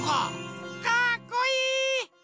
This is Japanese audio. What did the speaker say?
かっこいい！